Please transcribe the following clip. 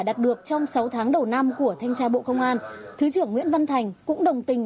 đạt được trong sáu tháng đầu năm của thanh tra bộ công an thứ trưởng nguyễn văn thành cũng đồng tình